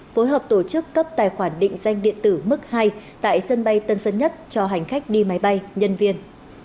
phối hợp tổ chức cấp tài khoản định danh điện tử mức hai tại sân bay tân sơn nhất cho hành khách đi máy bay nhân viên